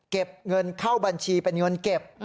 เก็บเงินเข้าบัญชีเป็นเงินเก็บ